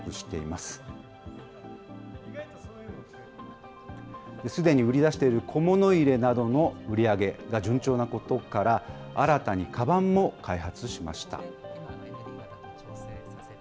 すでに売り出している、小物入れなどの売り上げが順調なことから、新たにかばんも開発しました。